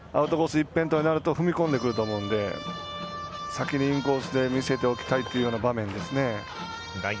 一辺倒になると踏み込んでくると思うので先にインコースで見せておきたいという場面ですね。